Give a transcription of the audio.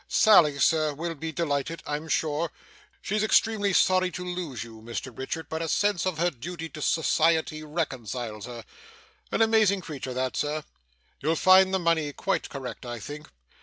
Sally, Sir, will be delighted I'm sure. She's extremely sorry to lose you, Mr Richard, but a sense of her duty to society reconciles her. An amazing creature that, sir! You'll find the money quite correct, I think.